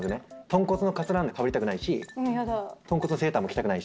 とんこつのかつらなんかかぶりたくないしとんこつのセーターも着たくないし。